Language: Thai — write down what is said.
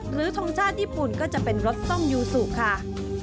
ทงชาติญี่ปุ่นก็จะเป็นรสส้มยูซูค่ะ